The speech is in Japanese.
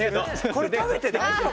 これ食べて大丈夫！？